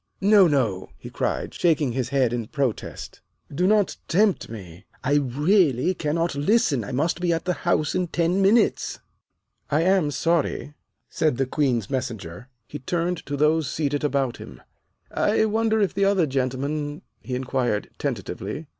"No, no," he cried, shaking his head in protest. "Do not tempt me. I really cannot listen. I must be at the House in ten minutes." "I am sorry," said the Queen's Messenger. He turned to those seated about him. "I wonder if the other gentlemen " he inquired tentatively.